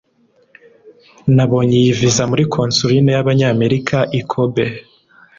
nabonye iyi visa muri konsuline y'abanyamerika i kobe